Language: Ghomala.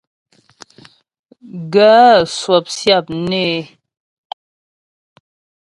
Gaə̂ swɔp syap nê é.